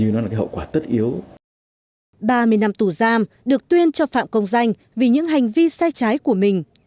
ba mươi năm tù giam được tuyên cho phạm công danh vì những hành vi sai trái của mình